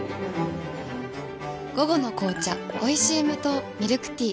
午後の紅茶おいしい無糖ミルクティー